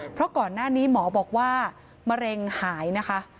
เพราะก่อนหน้านี้หมอบอกว่ามะเร็งหายนะคะ